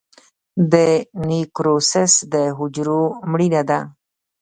د نیکروسس د حجرو مړینه ده.